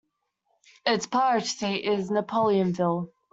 Its parish seat is Napoleonville.